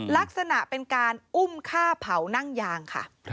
ลักษณะเป็นการอุ้มฆ่าเผานั่งยางค่ะ